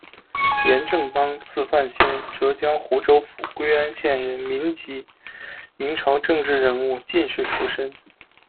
严正邦，字范先，浙江湖州府归安县人，民籍，明朝政治人物、进士出身。